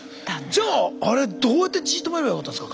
じゃああれどうやって血を止めればよかったんですか？